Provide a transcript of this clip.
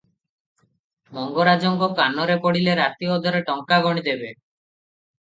ମଙ୍ଗରାଜଙ୍କ କାନରେ ପଡ଼ିଲେ ରାତି ଅଧରେ ଟଙ୍କା ଗଣି ଦେବେ ।